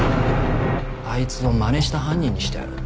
あいつをまねした犯人にしてやろうって。